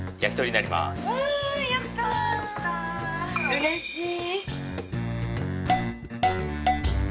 うれしい。